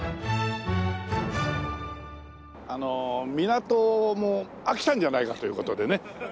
港も飽きたんじゃないかという事でね。